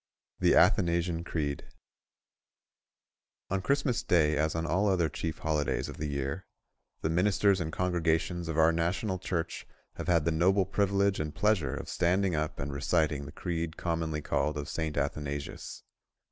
THE ATHANASIAN CREED (1865.) On Christmas day, as on all other chief holidays of the year, the ministers and congregations of our National Church have had the noble privilege and pleasure of standing up and reciting the creed commonly called of St. Athanasius.